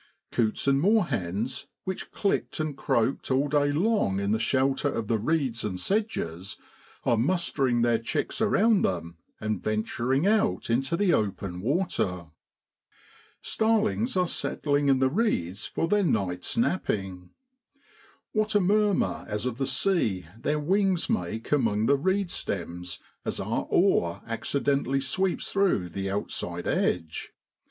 Coots and moorhens, which clicked and croaked all day long in the shelter of the reeds and sedges, are mustering their chicks around them and venturing out into the open water. Starlings are settling in the reeds for their night's napping. What a murmur as of the sea their wings make among the reed stems as our oar accidentally sweeps through the outside edge